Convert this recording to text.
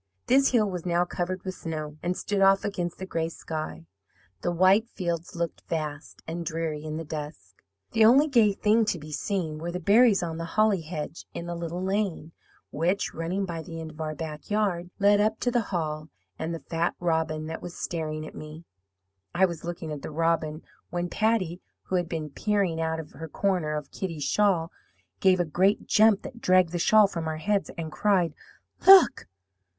"This hill was now covered with snow and stood off against the gray sky. The white fields looked vast and dreary in the dusk. The only gay things to be seen were the berries on the holly hedge, in the little lane which, running by the end of our back yard, led up to the Hall and the fat robin, that was staring at me. I was looking at the robin, when Patty, who had been peering out of her corner of Kitty's shawl, gave a great jump that dragged the shawl from our heads, and cried: "'Look!'